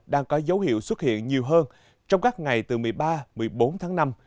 đang có dấu hiệu xuất hiện nhiều hơn trong các ngày từ một mươi ba một mươi bốn tháng năm